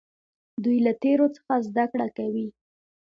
دوی له تیرو څخه زده کړه کوي.